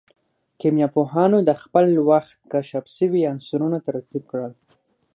کيميا پوهانو د خپل وخت کشف سوي عنصرونه ترتيب کړل.